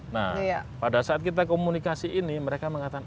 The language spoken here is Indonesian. nah pada saat kita komunikasi ini mereka mengatakan